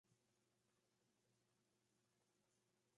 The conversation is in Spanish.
A su llegada, el pueblo apenas contaba una centena de habitantes.